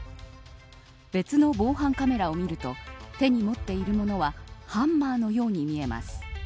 別の防犯カメラを見ると手に持っているのものはハンマーのように見えます。